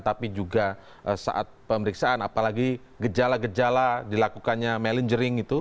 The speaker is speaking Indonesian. tapi juga saat pemeriksaan apalagi gejala gejala dilakukannya melingering itu